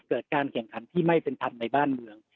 การแข่งขันที่ไม่เป็นธรรมในบ้านเมือง